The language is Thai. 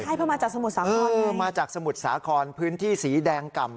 ใช่เพราะมาจากสมุทรสาครเออมาจากสมุทรสาครพื้นที่สีแดงกล่ำ